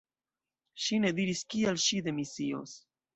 Ŝi ne diris kial ŝi demisios.